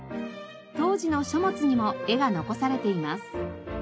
当時の書物にも絵が残されています。